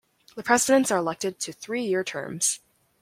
The Presidents are elected to three-year terms.